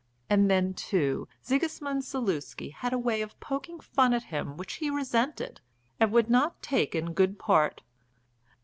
And then, too, Sigismund Zaluski had a way of poking fun at him which he resented, and would not take in good part.